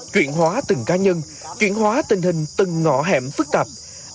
chuyển hóa từng cá nhân chuyển hóa tình hình từng ngõ hẻm phức tạp